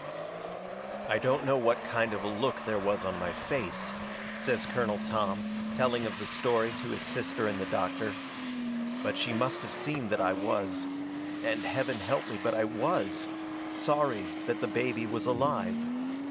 "I don't know what kind of a look there was on my face," says Colonel Tom, telling of the story to his sister and the doctor, "but she must have seen that I was and heaven help me, but I WAS! sorry that the baby was alive.